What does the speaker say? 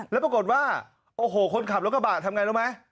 แล้วปรากฏว่าโอ้โหคนขับรถกระบะทำไงรู้ไหม